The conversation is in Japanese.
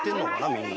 みんな。